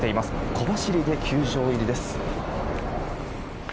小走りで球場入りです。